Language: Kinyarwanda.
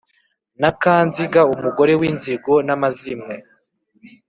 Na Kanziga umugore w'inzigo n'amazimwe